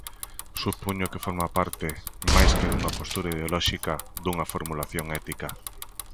Supoño que forma parte, máis que dunha postura ideolóxica, dunha formulación ética.